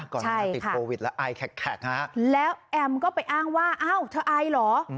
ก่อนติดโควิดแล้วอายแข็กแล้วแอมก็ไปอ้างว่าอ้าวเธออายเหรอ